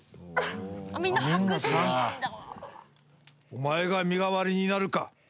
お前が身代わりになるか？